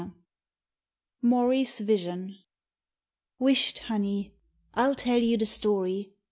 /Ibaurg's Dision W HISHT, honey, I'll tell you the story.